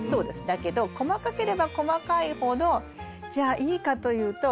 だけど細かければ細かいほどじゃあいいかというと。